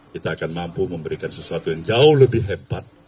kita akan mampu memberikan sesuatu yang jauh lebih hebat